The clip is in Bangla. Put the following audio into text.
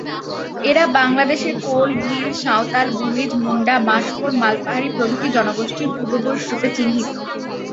এরা বাংলাদেশের কোল, ভীল, সাঁওতাল, ভূমিজ, মুন্ডা, বাঁশফোড়, মালপাহাড়ি প্রভৃতি জনগোষ্ঠীর পূর্বপুরুষ রূপে চিহ্নিত।